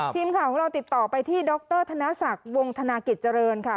ทีมข่าวของเราติดต่อไปที่ดรธนศักดิ์วงธนากิจเจริญค่ะ